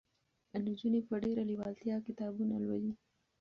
نجونې په ډېره لېوالتیا کتابونه لولي.